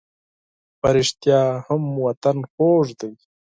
په رښتیا هم وطن خوږ دی.